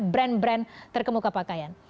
brand brand terkemuka pakaian